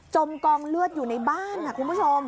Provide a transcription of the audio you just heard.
จมกองเลือดอยู่ในบ้านนะคุณผู้ชม